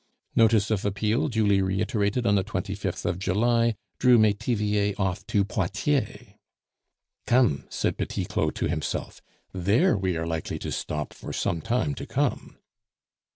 Notice of appeal, duly reiterated on the 25th of July, drew Metivier off to Poitiers. "Come!" said Petit Claud to himself, "there we are likely to stop for some time to come."